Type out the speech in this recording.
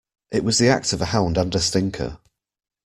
It was the act of a hound and a stinker.